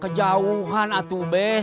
kejauhan atuh be